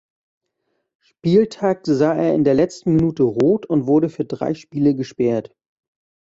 Spieltag sah er in der letzten Minute rot und wurde für drei Spiele gesperrt.